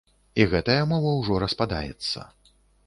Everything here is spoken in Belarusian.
І гэтая мова ўжо распадаецца.